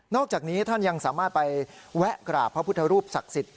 อกจากนี้ท่านยังสามารถไปแวะกราบพระพุทธรูปศักดิ์สิทธิ์